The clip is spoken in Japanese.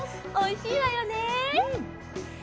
おいしいわよね。